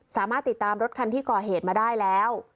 สามารถติดตามรถคันที่ก่อเหตุมาได้แล้ว